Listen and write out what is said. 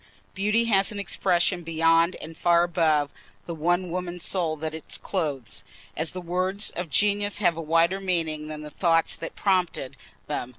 Beauty has an expression beyond and far above the one woman's soul that it clothes, as the words of genius have a wider meaning than the thought that prompted them.